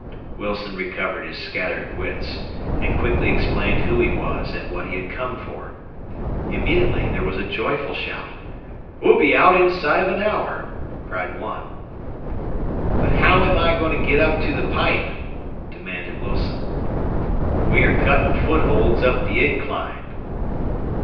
Wilson recovered his scattered wits, and quickly explained who he was and what he had come for. Immediately there was a joyful shout. "We'll be out inside of an hour!" cried one. "But how am I going to get up to the pipe?" demanded Wilson. "We are cutting footholds up the incline.